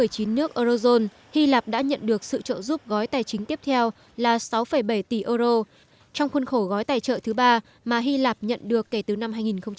trong nước eurozone hy lạp đã nhận được sự trợ giúp gói tài chính tiếp theo là sáu bảy tỷ euro trong khuôn khổ gói tài trợ thứ ba mà hy lạp nhận được kể từ năm hai nghìn một mươi